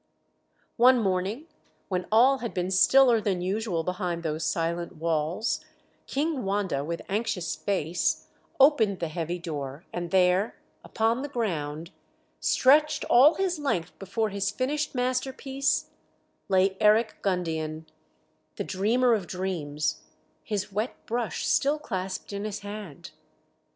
One morning, when all had been stiller than usual behind those silent walls, King Wanda, with anxious face, opened the heavy door and there, upon the ground, stretched all his length before his finished masterpiece, lay Eric Gundian, the dreamer of dreams, his wet brush still clasped in his hand.